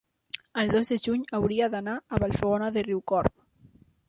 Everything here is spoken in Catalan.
el dos de juny hauria d'anar a Vallfogona de Riucorb.